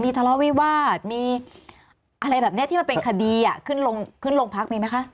ทะเลาะวิวาสมีอะไรแบบนี้ที่มันเป็นคดีขึ้นลงขึ้นโรงพักมีไหมคะ